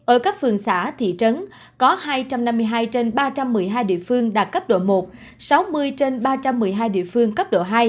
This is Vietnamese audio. ở các phường xã thị trấn có hai trăm năm mươi hai trên ba trăm một mươi hai địa phương đạt cấp độ một sáu mươi trên ba trăm một mươi hai địa phương cấp độ hai